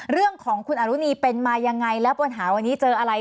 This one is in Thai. เรื่องของคุณอรุณีเป็นมายังไงแล้วปัญหาวันนี้เจออะไร